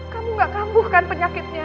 kamu gak kambuh kan penyakitnya